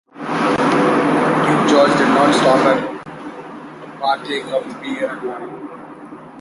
Duke George did not stop at home to partake of the beer and wine.